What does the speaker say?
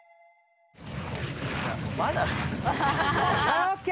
まだ。